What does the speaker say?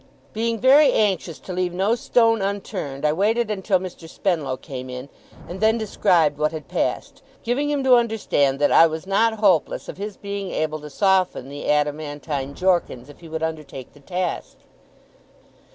Being very anxious to leave no stone unturned, I waited until Mr. Spenlow came in, and then described what had passed; giving him to understand that I was not hopeless of his being able to soften the adamantine Jorkins, if he would undertake the task.